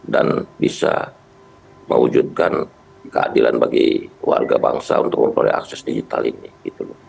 dan bisa mewujudkan keadilan bagi warga bangsa untuk mengontrol akses digital ini